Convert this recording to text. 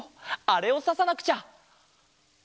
あれをささなくちゃ。